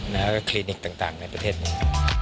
แล้วก็คลินิกต่างในประเทศนี้